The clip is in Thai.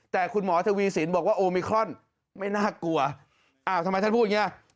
แต่คุณหมอทวีสินบอกว่าโอมิครอนไม่น่ากลัวอ้าวทำไมท่านพูดอย่างเงี้ย